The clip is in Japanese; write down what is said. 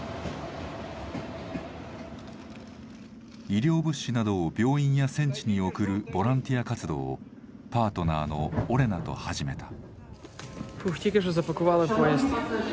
医療物資などを病院や戦地に送るボランティア活動をパートナーのオレナと始めた。